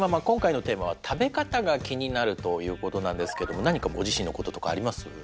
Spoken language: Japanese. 今回のテーマは「食べ方が気になる」ということなんですけど何かご自身のこととかあります？